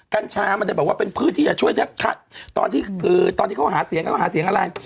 กัญชามันจะบอกว่าเป็นพืชที่จะช่วยตอนที่เขาหาเสียงแล้วเขาหาเสียงอะไร